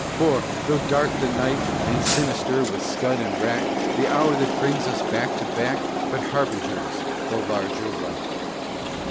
For, though dark the night And sinister with scud and rack, The hour that brings us back to back But harbingers the larger light.